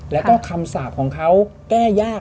แล้วก็คำสาปของเขาแก้ยาก